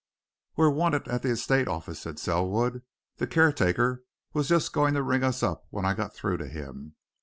"We're wanted at the estate office," said Selwood. "The caretaker was just going to ring us up when I got through to him.